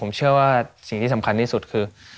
ผมเชื่อว่าสิ่งที่สำคัญที่สุดคือ